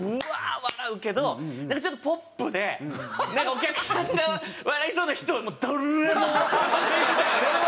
笑うけどなんかちょっとポップでお客さんが笑いそうな人は誰も笑わないみたいな。